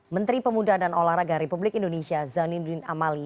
menteri pemuda dan olahraga republik indonesia zainuddin amali